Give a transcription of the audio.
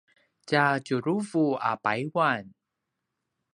tja tjuruvu a payuan